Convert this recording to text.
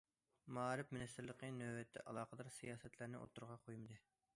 مائارىپ مىنىستىرلىقى نۆۋەتتە ئالاقىدار سىياسەتلەرنى ئوتتۇرىغا قويمىدى.